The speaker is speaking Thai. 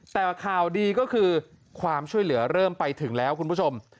แต่ข่าวดีก็คือความช่วยเหลือเริ่มไปถึงแล้วคุณผู้ชม